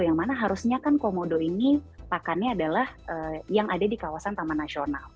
yang mana harusnya kan komodo ini pakannya adalah yang ada di kawasan taman nasional